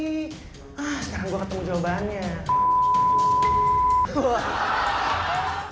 ah sekarang gue ketemu jawabannya